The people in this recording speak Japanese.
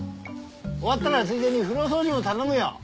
終わったらついでに風呂掃除も頼むよ。